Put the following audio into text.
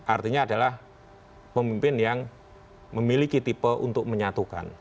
artinya adalah pemimpin yang memiliki tipe untuk menyatukan